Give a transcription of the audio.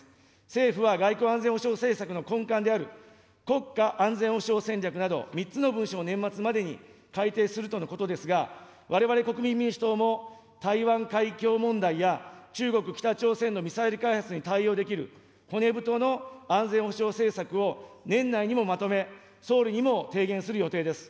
政府は外交・安全保障戦略の根幹である、国家安全保障戦略など、３つの文書を年末までに改定するとのことですが、われわれ国民民主党も、台湾海峡問題や、中国、北朝鮮のミサイル開発に対応できる、骨太の安全保障政策を年内にもまとめ、総理にも提言する予定です。